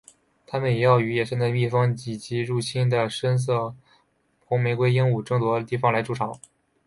它们也要与野生的蜜蜂及入侵的深红玫瑰鹦鹉争夺地方来筑巢。